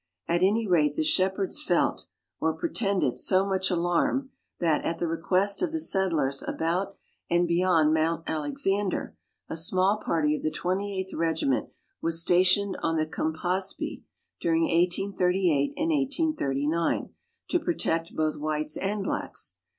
At any rate the shepherds felt, or pretended so much alarm, that, at the request of the settlers about and beyond Mount Alexander, a small party of the 28th Regiment was stationed on the Campaspe during 1838 and 1839, to protect both whites and blacks.